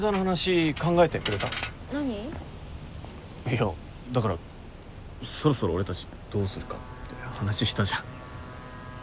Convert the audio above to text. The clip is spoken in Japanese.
いやだからそろそろ俺たちどうするかって話したじゃん。